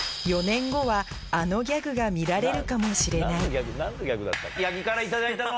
４年後はあのギャグが見られるかもしれない。